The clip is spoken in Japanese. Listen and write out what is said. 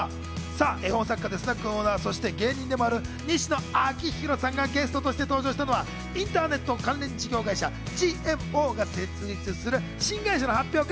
絵本作家でスナックのオーナー、西野亮廣さんがゲストとして登場したのは、インターネット関連事業会社ＧＭＯが設立する新会社の発表会。